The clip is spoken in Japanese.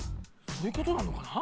そういうことなのかな？